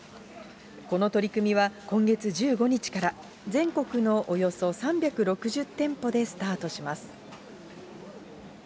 この取り組みは今月１５日から、全国のおよそ３６０店舗でスタートします。